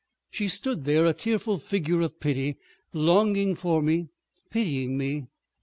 She stood there, a tearful figure of pity, longing for me, pitying me.